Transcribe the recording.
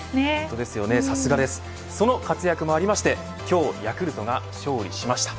その活躍もありまして今日ヤクルトが勝利しました。